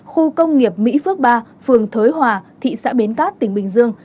khu công nghiệp mỹ phước ba phường thới hòa thị xã bến cát tỉnh bình dương